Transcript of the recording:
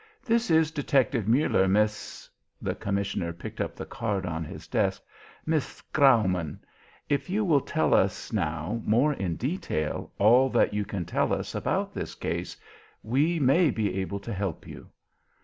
This is Detective Muller, Miss " (the commissioner picked up the card on his desk) "Miss Graumann. If you will tell us now, more in detail, all that you can tell us about this case, we may be able to help you."